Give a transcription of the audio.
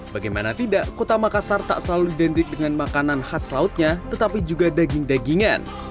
bagaimana tidak kota makassar tak selalu identik dengan makanan khas lautnya tetapi juga daging dagingan